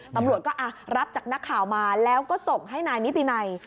ตำรวจก็รับจากนักข่าวมาแล้วก็ส่งให้นายนิตินัย